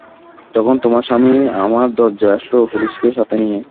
যখন তোমার স্বামী আমার দরজায় আসলো পুলিশকে সাথে নিয়ে।